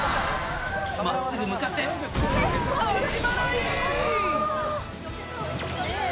まっすぐ向かって、足払い。